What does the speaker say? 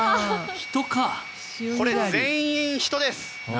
これ、全員、人です。